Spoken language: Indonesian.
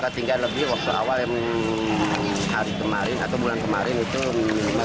ketinggian lebih waktu awal yang hari kemarin atau bulan kemarin itu minimal